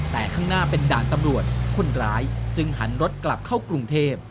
แต่ข้างหน้าเป็นด่านตำรวจคนร้ายจึงหันรถกลับเข้ากรุงเทพ